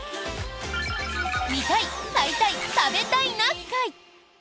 「見たい買いたい食べたいな会」。